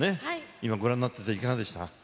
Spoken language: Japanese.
今、ご覧になってていかがでした？